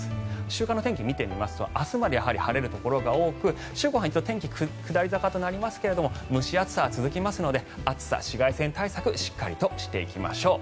週間の天気を見てみますと明日まで晴れるところが多く週後半に天気は下り坂となりますが蒸し暑さは続きますので暑さ、紫外線対策をしっかりとしていきましょう。